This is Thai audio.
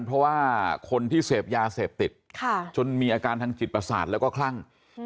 เพราะว่าคนที่เสพยาเสพติดจนมีอาการทางจิตประสาทแล้วก็คลั่ง